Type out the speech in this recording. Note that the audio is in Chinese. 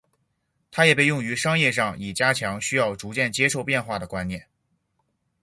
它也被用于商业上以加强需要逐渐接受变化的观念。